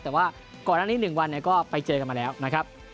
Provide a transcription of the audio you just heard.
แต่ว่าก่อนอันนี้๑วันก็ไปเจอกันมาแล้วนะครับ